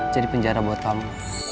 jadi penjara buat kamu